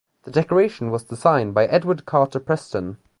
The decoration was designed by Edward Carter Preston.